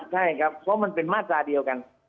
ใช่ครับเพราะมันเป็นมาตราเดียวกัน